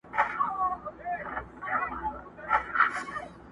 پلار یې وکړه ورته ډېر نصیحتونه،